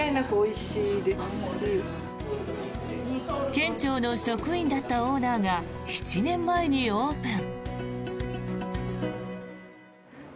県庁の職員だったオーナーが７年前にオープン。